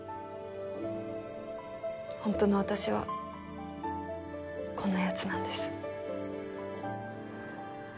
本当の私はこんな奴なんです。